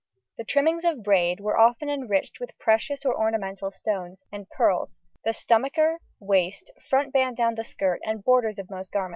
The trimmings of braid were often enriched with precious or ornamental stones and pearls, the stomacher, waist, front band down the skirt, and borders of most garments.